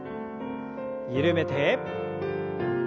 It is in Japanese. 緩めて。